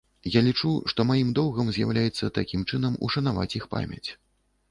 Я лічу, што маім доўгам з'яўляецца такім чынам ушанаваць іх памяць.